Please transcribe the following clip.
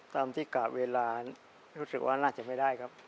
ตามที่กะเวลารู้สึกว่าน่าจะไม่ได้ครับ